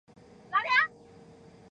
这种形式后来发展成为了赋格。